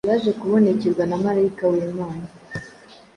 yaje kubonekerwa na marayika w’Imana